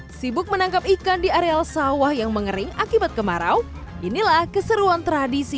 hai sibuk menangkap ikan di areal sawah yang mengering akibat kemarau inilah keseruan tradisi